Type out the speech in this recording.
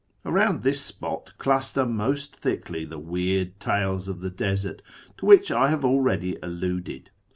Around this spot cluster most thickly the weird tales of the desert, to which I have already alluded.